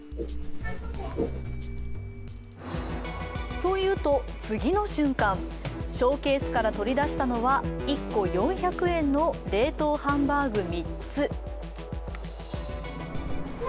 そう言うと、次の瞬間、ショーケースから取り出したのは、１個４００円の冷凍ハンバーグ３つ。